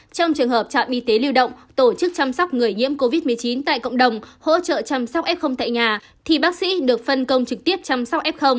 trong trường hợp trạm y tế lưu động tổ chức chăm sóc người nhiễm covid một mươi chín tại cộng đồng hỗ trợ chăm sóc f tại nhà thì bác sĩ được phân công trực tiếp chăm sóc f